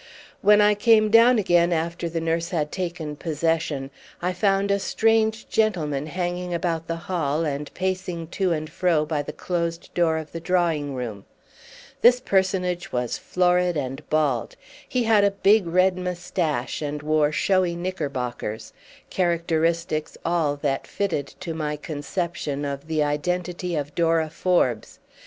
When I came down again after the nurse had taken possession I found a strange gentleman hanging about the hall and pacing to and fro by the closed door of the drawing room. This personage was florid and bald; he had a big red moustache and wore showy knickerbockers—characteristics all that fitted to my conception of the identity of Dora Forbes.